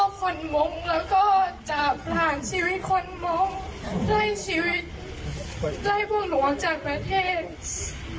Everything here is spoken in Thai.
จะไม่ชกพวกมงค์แล้วก็จะผลาญชีวิตคนมองได้ชีวิตใกล้พวกหนองจากประเทศ